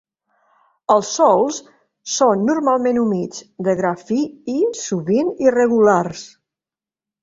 Els sòls són normalment humits, de gra fi i, sovint, irregulars.